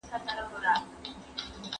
درزهار وو د توپکو د توپونو